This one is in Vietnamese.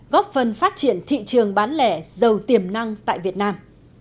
góp phần phát triển thị trường bán lẻ giàu tiềm năng tại việt nam